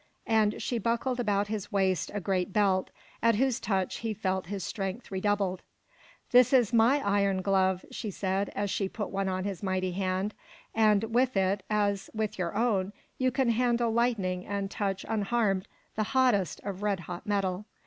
And she buckled about his waist a great belt, at whose touch he felt his strength redoubled. "This is my iron glove," she said, as she put one on his mighty hand, "and with it, as with your own, you can handle lightning and touch unharmed the hottest of red hot metal.